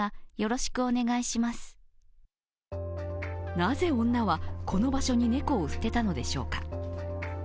なぜ女はこの場所に猫を捨てたのでしょうか。